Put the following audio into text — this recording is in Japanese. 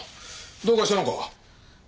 どうかしたのか？